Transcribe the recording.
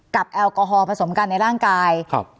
แอลกอฮอลผสมกันในร่างกายครับ